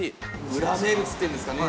裏名物っていうんですかね